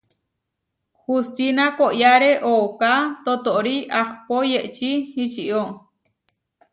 Hustína koʼyáre ooká totóri ahpó yečí ičió.